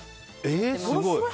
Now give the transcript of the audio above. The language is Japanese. すごい。